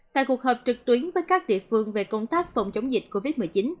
tại cuộc họp trực tuyến với các địa phương về công tác phòng chống dịch covid một mươi chín